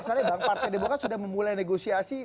masalahnya bang partai di bukang kan sudah memulai negosiasi